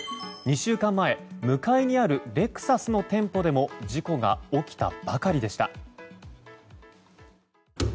２週間前向かいにあるレクサスの店舗でも事故が起きたばかりでした。